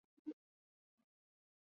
天河路是常见的路名。